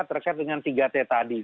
terkait dengan tiga t tadi